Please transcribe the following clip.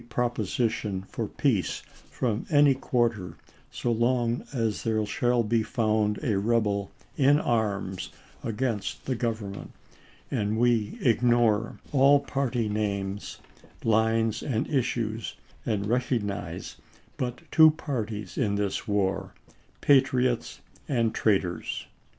. proposition for peace from any quarter so long as there shall be found a rebel in arms against the G overnment ; and we ignore," the resolutions continued, "all party names, lines, and issues, and recognize but two parties in this war — patriots and traitors."